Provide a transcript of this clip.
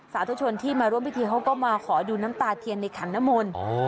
สาธุชนที่มาร่วมพิธีเขาก็มาขอดูน้ำตาเทียนในขันนมล